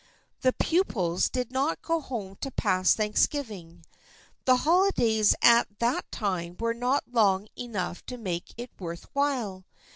The pupils did not go home to pass Thanksgiv ing. The holidays at that time were not long enough to make it worth while.